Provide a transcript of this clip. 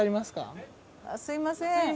すみません。